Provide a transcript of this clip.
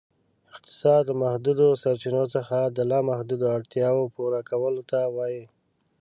اقتصاد ، له محدودو سرچینو څخه د لا محدودو اړتیاوو پوره کولو ته وایي.